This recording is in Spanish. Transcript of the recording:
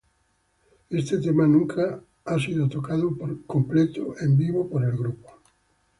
Este tema nunca ha sido tocado completo en vivo por el grupo.